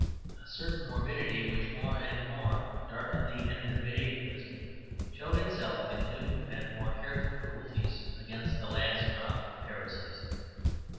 A certain morbidity which more and more darkened the end of mediævalism showed itself in new and more careful cruelties against the last crop of heresies.